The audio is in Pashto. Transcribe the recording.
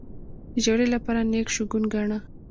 د جګړې لپاره نېک شګون گاڼه.